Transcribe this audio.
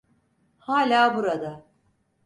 Hâlâ burada.